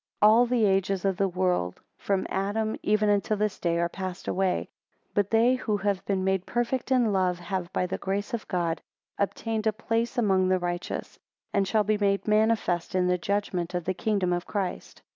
11 All the ages of the world, from Adam, even unto this day, are passed away; but they who have been made perfect in love, have by the grace of God obtained a place among the righteous; and shall be made manifest in the judgment of the kingdom of Christ.